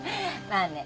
まあね。